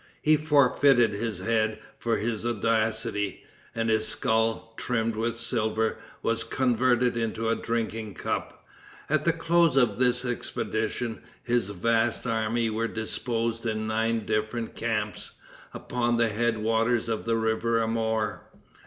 He forfeited his head for his audacity, and his skull, trimmed with silver, was converted into a drinking cup. At the close of this expedition, his vast army were disposed in nine different camps, upon the head waters of the river Amour.